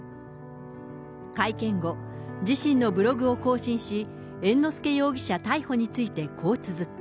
会見後、自身のブログを更新し、猿之助容疑者逮捕について、こうつづった。